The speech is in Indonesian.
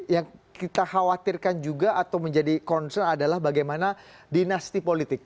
yang kita khawatirkan juga atau menjadi concern adalah bagaimana dinasti politik